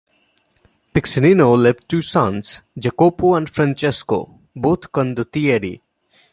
Piccinino left two sons, Jacopo and Francesco, both condottieri.